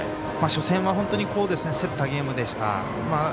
初戦は本当に競ったゲームでした。